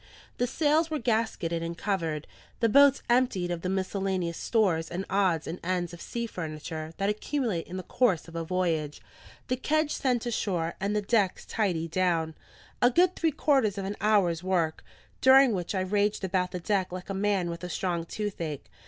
The sails were gasketted and covered, the boats emptied of the miscellaneous stores and odds and ends of sea furniture, that accumulate in the course of a voyage, the kedge sent ashore, and the decks tidied down: a good three quarters of an hour's work, during which I raged about the deck like a man with a strong toothache.